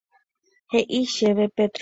He'i chéve Petrona.